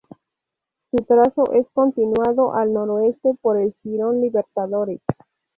Su trazo es continuado al noreste por el jirón Libertadores.